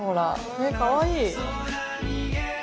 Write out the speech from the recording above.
えっかわいい。